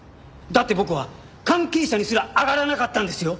だって僕は関係者にすら挙がらなかったんですよ。